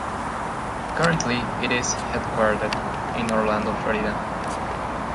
Currently, it is headquartered in Orlando, Florida.